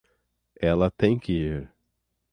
Ela tem que ir.